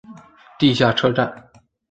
地下车站。